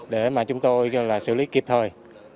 để mà chúng tôi xử lý kịp thời